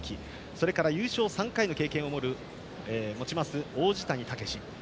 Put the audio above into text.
それから優勝３回の経験を持つ王子谷剛志。